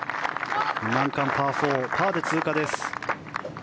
難関のパー４をパーで通過です。